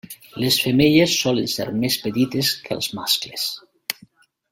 Les femelles solen ser més petites que els mascles.